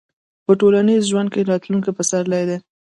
په ټولنیز ژوند کې راتلونکي پسرلي دي.